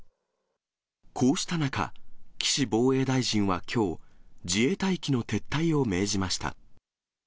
こうした中、岸防衛大臣はきょう、自衛隊機の撤退を命じました。